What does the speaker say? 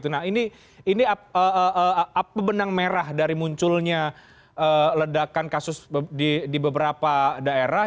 nah ini apa benang merah dari munculnya ledakan kasus di beberapa daerah